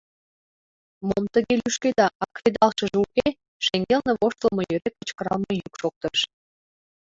— Мом тыге лӱшкеда, а кредалшыже уке? — шеҥгелне воштылмо йӧрӧ кычкыралме йӱк шоктыш.